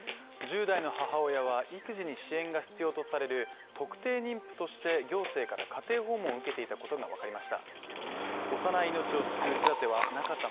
１０代の母親は、育児に支援が必要とされる特定妊婦として行政から家庭訪問を受けていたことが分かりました。